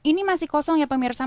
ini masih kosong ya pemirsa